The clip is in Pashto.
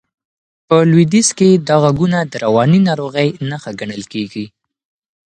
په لوېدیځ کې دا غږونه د رواني ناروغۍ نښه ګڼل کېږي.